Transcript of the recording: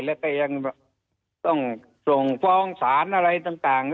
แล้วก็ยังต้องส่งฟ้องศาลอะไรต่าง